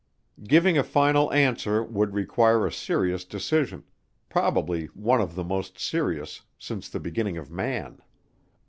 Giving a final answer would require a serious decision probably one of the most serious since the beginning of man.